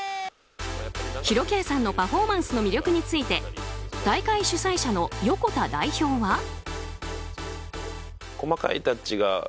ＨＩＲＯ‐Ｋさんのパフォーマンスの魅力について大会主催者の横田代表は。